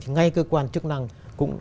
ngay cơ quan chức năng